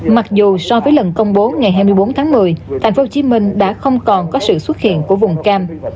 mặc dù so với lần công bố ngày hai mươi bốn tháng một mươi tp hcm đã không còn có sự xuất hiện của vùng cam